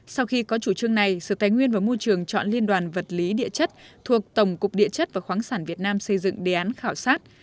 sau khi có chủ trương này sở tài nguyên và môi trường chọn liên đoàn vật lý địa chất thuộc tổng cục địa chất và khoáng sản việt nam xây dựng đề án khảo sát